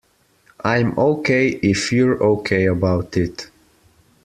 I'm OK if you're OK about it.